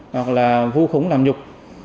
hoặc là vô khống làm nhục